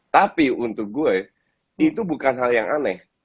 tapi untuk gue itu bukan hal yang aneh